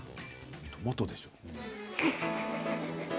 トマトでしょう？